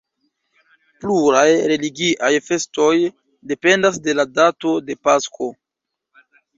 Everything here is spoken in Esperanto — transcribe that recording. Pluraj religiaj festoj dependas de la dato de Pasko.